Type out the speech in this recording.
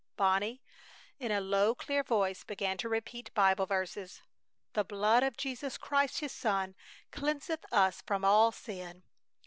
Bonnie, in a low, clear voice, began to repeat Bible verses: "The blood of Jesus Christ His Son cleanseth us from all sin!